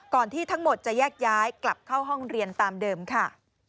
ที่ทั้งหมดจะแยกย้ายกลับเข้าห้องเรียนตามเดิมค่ะ